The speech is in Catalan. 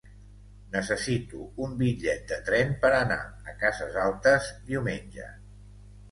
Necessito un bitllet de tren per anar a Cases Altes diumenge.